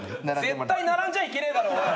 絶対並んじゃいけねえだろおい。